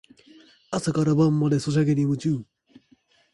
朝から晩までソシャゲに夢中